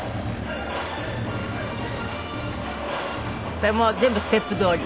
これもう全部ステップどおり？